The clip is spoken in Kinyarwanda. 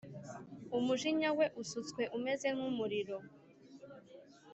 Umujinya we usutswe umeze nk’umuriro